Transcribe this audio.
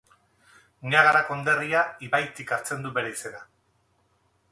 Niagara konderria ibaitik hartzen du bere izena.